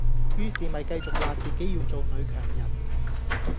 於是咪繼續話自己要做女強人